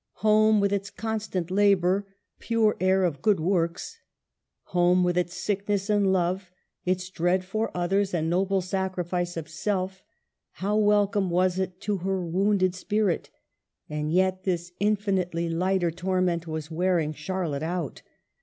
Home, with its constant labor, pure air of good works ; home, with its sickness and love, its dread for others and noble sacrifice of self ; how welcome was it to her wounded spirit ! And yet this infinitely lighter torment was wearing Charlotte out.